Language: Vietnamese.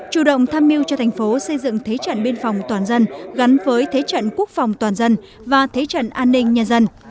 chủ động tham mưu cho thành phố xây dựng thế trận biên phòng toàn dân gắn với thế trận quốc phòng toàn dân và thế trận an ninh nhân dân